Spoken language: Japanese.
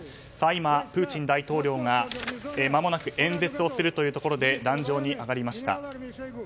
今、プーチン大統領がまもなく演説をするということで壇上に上がりました。